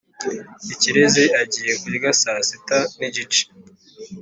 ikirezi agiye kurya saa sita nigice